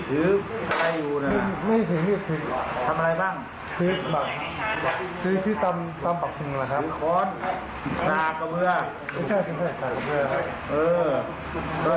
ต้องขับตัวให้ได้อยู่ในสังคมให้ได้